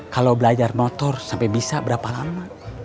kalau belajar motor sampai bisa berapa lama